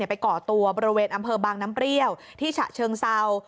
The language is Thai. ก่อตัวบริเวณอำเภอบางน้ำเปรี้ยวที่ฉะเชิงเศร้า